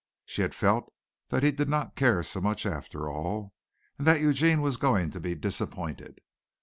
She had felt that he did not care so much after all, and that Eugene was going to be disappointed.